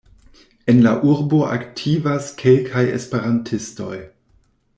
En la urbo aktivas kelkaj esperantistoj.